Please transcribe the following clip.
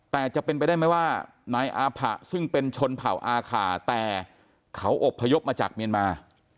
แต่จะเป็นไปได้ไหมว่านายอาผะซึ่งเป็นชนเผ่าอาคาแต่เขาอบพยพมาจากเมียนมา